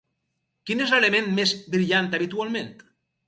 Quin és l'element més brillant habitualment?